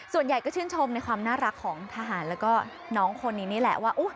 ส่วนใหญ่ก็ชื่นชมในความน่ารักของทหารแล้วก็น้องคนนี้นี่แหละว่า